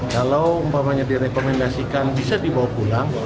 kalau umpamanya direkomendasikan bisa dibawa pulang